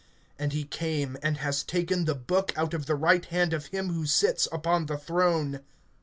(7)And he came, and has taken the book out of the right hand of him who sits upon the throne.